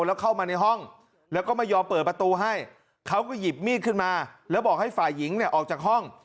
แล้วเข้ามาในห้องแล้วก็ไม่ยอมเปิดประตูให้เขาก็หยิบมีดขึ้นมาแล้วบอกให้ฝ่ายหญิงเนี่ยออกจากห้อง